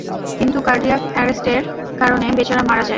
কিন্তু কার্ডিয়াক এ্যারেস্টের কারণে বেচারা মারা যায়।